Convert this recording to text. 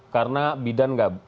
karena bidan nggak mau